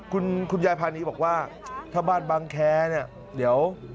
คุณยายพานีบอกว่าถ้าบ้านบางแคเนี่ยเดี๋ยว